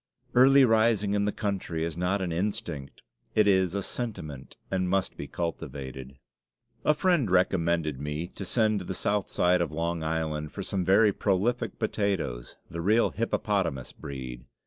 Early rising in the country is not an instinct; it is a sentiment, and must be cultivated. A friend recommended me to send to the south side of Long Island for some very prolific potatoes the real hippopotamus breed.